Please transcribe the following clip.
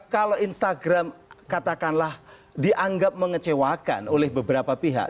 kalau instagram katakanlah dianggap mengecewakan oleh beberapa pihak